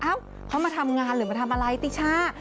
เขามาทำงานหรือมาทำอะไรติช่า